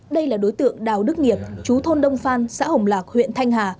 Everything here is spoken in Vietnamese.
đây là đối tượng đào đức nghiệp chú thôn đông phan xã hồng lạc huyện thanh hà